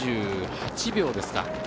２８秒ですか。